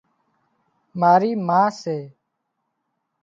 ماري ما سي